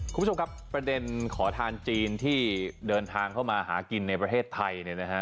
คุณผู้ชมครับประเด็นขอทานจีนที่เดินทางเข้ามาหากินในประเทศไทยเนี่ยนะฮะ